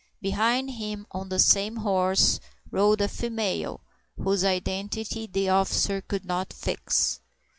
Behind him on the same horse rode a female, whose identity the officer could not fix.